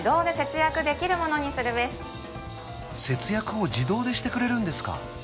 節約を自動でしてくれるんですか？